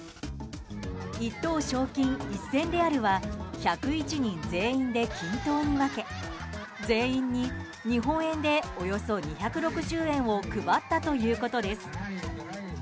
１等賞金１０００レアルは１０１人全員で均等に分け全員に日本円でおよそ２６０円を配ったということです。